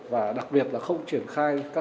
và đặc biệt là không triển khai các